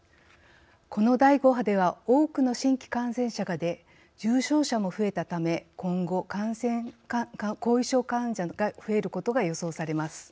この第５波では多くの新規感染者が出重症者も増えたため今後後遺症患者が増えることが予想されます。